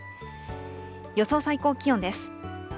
予想最高気温です。